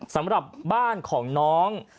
สำหรับบ้านของน้อง